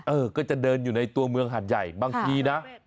เออก็จะเดินอยู่ในตัวเมืองหาดใหญ่บางทีนะ